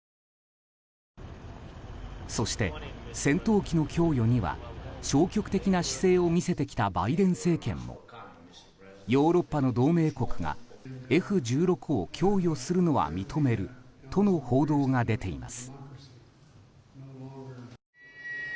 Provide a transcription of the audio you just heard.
そして、戦闘機の供与には消極的な姿勢を見せてきたバイデン政権もヨーロッパの同盟国がＦ１６を供与するのは認めるとの報道が出ています。